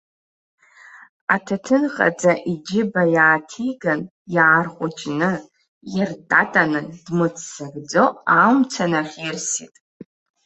Аҭаҭынҟаҵа иџьыба иааҭиган, иаарҟәыҷны, иртатаны, дмыццакӡо амца нахьирсит.